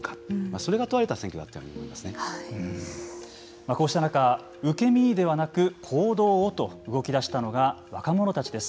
それが問われたこうした中受け身ではなく行動をと動き出したのが若者たちです。